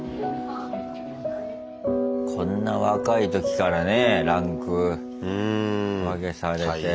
こんな若い時からねえランク分けされて。